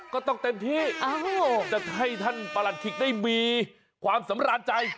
ก็ต้องเต็มที่จะให้ท่านประหลัดขิกได้มีความสำราญใจ